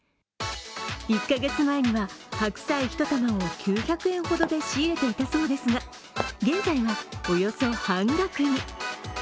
１カ月前には白菜１玉を９００円ほどで仕入れていたそうですが現在はおよそ半額に。